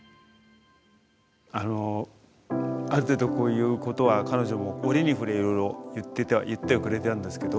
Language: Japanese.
あのある程度こういうことは彼女も折に触れいろいろ言ってはくれてたんですけど。